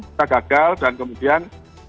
kita gagal dan kemudian